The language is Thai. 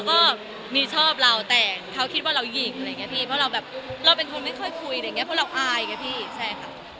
เหมือนเราก็เปิดลูกพูดมากขึ้นมีลูกพูดมากขึ้นกันบ่อย